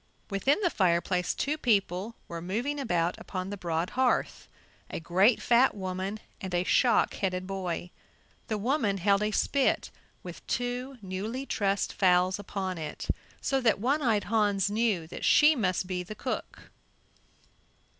Within the fireplace two people were moving about upon the broad hearth, a great, fat woman and a shock headed boy. The woman held a spit with two newly trussed fowls upon it, so that One eyed Hans knew that she must be the cook.